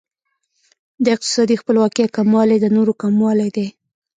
د اقتصادي خپلواکۍ کموالی د نورو کموالی دی.